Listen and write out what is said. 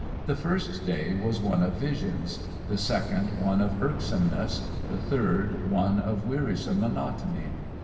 The first day was one of visions; the second one of irksomeness; the third one of wearisome monotony.